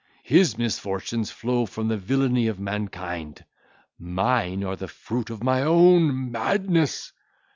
His misfortunes flow from the villany of mankind; mine are the fruit of my own madness.